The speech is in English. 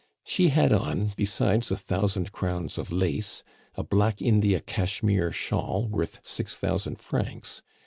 She had on, besides a thousand crowns of lace, a black India cashmere shawl, worth six thousand francs.